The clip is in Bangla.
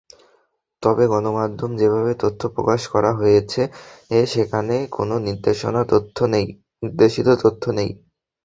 তবে গণমাধ্যমে যেসব তথ্য প্রকাশ করা হয়েছে, সেখানে কোনো নির্দেশিত তথ্য নেই।